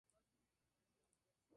Pertenece a la familia Rubiaceae.